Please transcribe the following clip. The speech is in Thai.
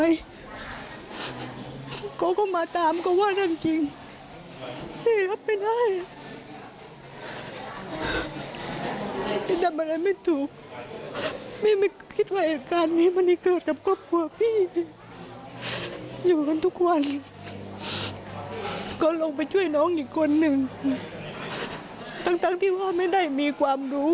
อย่างนั้นทุกวันก็ลงไปช่วยน้องอีกคนนึงตั้งที่ว่าไม่ได้มีความรู้